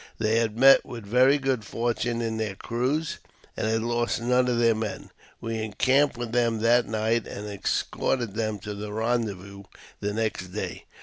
They had met with very good fortune in their cruise, and had lost none of their men. We encamped with them that night, and escorted them to the rendezvous the next day.